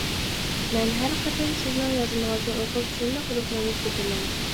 مەن ھەر قېتىم سىزنىڭ يازمىڭىزنى ئوقۇپ شۇنداق روھلىنىپ كېتىمەن.